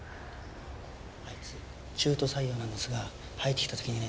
あいつ中途採用なんですが入ってきた時にね